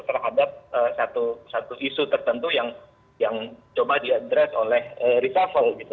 terhadap satu isu tertentu yang coba diadres oleh reshuffle gitu